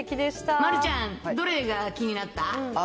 丸ちゃん、どれが気になった？